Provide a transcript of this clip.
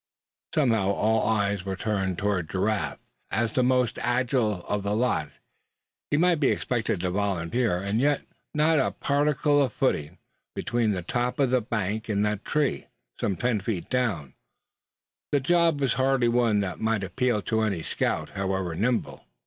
Somehow all eyes were turned toward Giraffe. As the most agile of the lot, he might be expected to volunteer; and yet with not a particle of footing between the top of the bank and that tree, some ten feet down, the job was hardly one that might appeal to any scout, however nimble.